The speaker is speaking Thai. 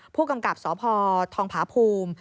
ผู้กำกับสพทองผาภูมิ